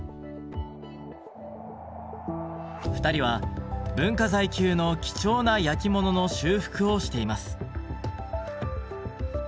２人は文化財級の貴重な焼き物の修復をしています。